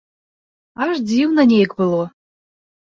Аж дзіўна нейк было.